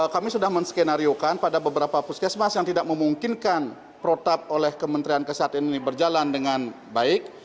kami sudah menskenariokan pada beberapa puskesmas yang tidak memungkinkan protap oleh kementerian kesehatan ini berjalan dengan baik